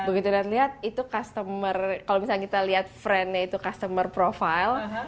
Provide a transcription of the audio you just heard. begitu dan lihat itu customer kalau misalnya kita lihat friendnya itu customer profile